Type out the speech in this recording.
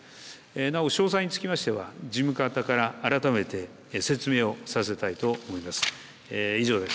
なお詳細につきましては事務方から改めて説明をさせたいと思います。